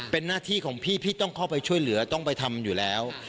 เป็นหน้าที่ของพี่พี่ต้องเข้าไปช่วยเหลือต้องไปทำอยู่แล้ว